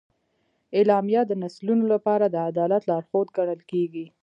اعلامیه د نسلونو لپاره د عدالت لارښود ګڼل کېږي.